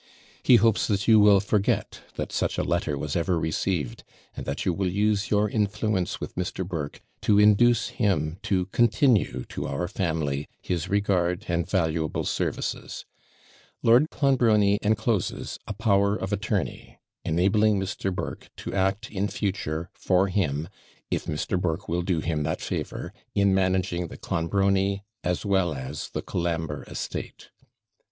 He hopes that you will forget that such a letter was ever received, and that you will use your influence with Mr. Burke to induce him to continue to our family his regard and valuable services. Lord Clonbrony encloses a power of attorney, enabling Mr. Burke to act in future for him, if Mr. Burke will do him that favour, in managing the Clonbrony as well as the Colambre estate.